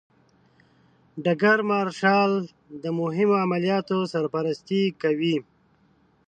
ډګر مارشال د مهمو عملیاتو سرپرستي کوي.